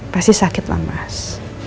pasti sakit lah mas